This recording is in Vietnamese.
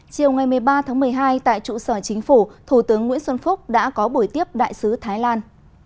chiều ngày một mươi ba tháng một mươi hai tại trụ sở chính phủ thủ tướng nguyễn xuân phúc đã có buổi tiếp đại sứ thái lan